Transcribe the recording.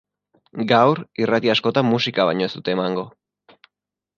Gaur, irrati askotan musika baino ez dute emango.